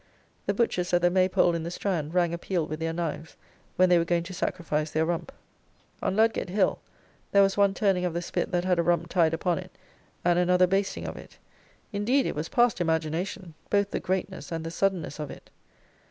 The butchers at the May Pole in the Strand rang a peal with their knives when they were going to sacrifice their rump. On Ludgate Hill there was one turning of the spit that had a rump tied upon it, and another basting of it. Indeed it was past imagination, both the greatness and the suddenness of it.